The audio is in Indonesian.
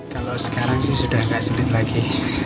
kalau sekarang sih sudah nggak sulit lagi